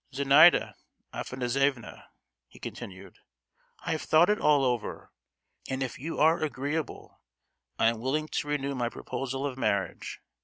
"Zenaida Afanassievna," he continued, "I have thought it all over, and if you are agreeable I am willing to renew my proposal of marriage.